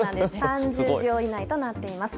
３０秒以内となってます。